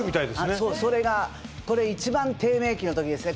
そうそれがこれ一番低迷期の時ですね